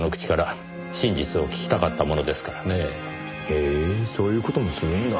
へえそういう事もするんだ。